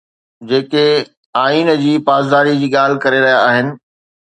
جيڪي آئين جي پاسداري جي ڳالهه ڪري رهيا آهن